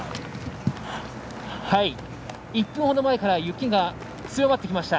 １分ほど前から雪が強まってきました。